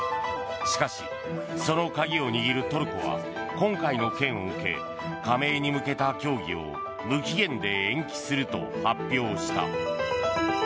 しかし、その鍵を握るトルコは今回の件を受け加盟に向けた協議を無期限で延期すると発表した。